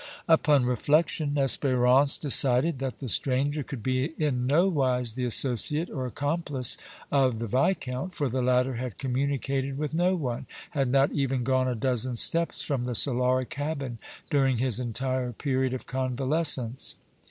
Upon reflection Espérance decided that the stranger could be in nowise the associate or accomplice of the Viscount, for the latter had communicated with no one, had not even gone a dozen steps from the Solara cabin during his entire period of convalescence.